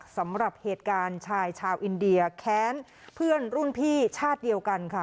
สำหรับเหตุการณ์ชายชาวอินเดียแค้นเพื่อนรุ่นพี่ชาติเดียวกันค่ะ